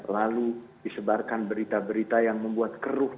lalu disebarkan berita berita yang membuat keruh